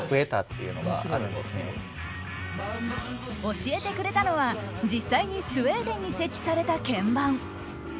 教えてくれたのは実際にスウェーデンに設置された鍵盤。